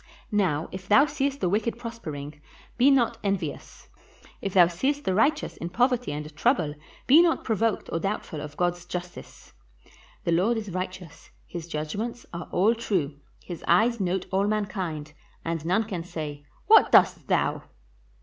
Now if thou seest the wicked prospering, be not 577 PALESTINE envious; if thou seest the righteous in poverty and trou ble, be not provoked or doubtful of God's justice. The Lord is righteous, his judgments are all true; his eyes note all mankind, and none can say, * What dost thou?